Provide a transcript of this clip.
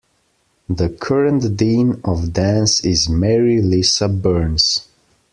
The current Dean of Dance is Mary Lisa Burns.